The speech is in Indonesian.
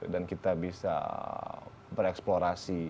dan kita bisa bereksplorasi